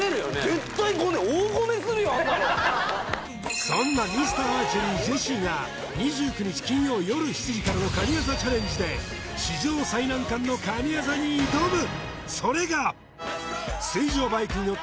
絶対ゴネあんなのそんなミスターアーチェリージェシーが２９日金曜よる７時からの「神業チャレンジ」で史上最難関の神業に挑む！